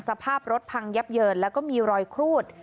สภาพรถพังยับเยินแล้วก็มีรอยครูด